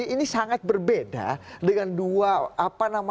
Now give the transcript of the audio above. ini sangat berbeda dengan dua apa namanya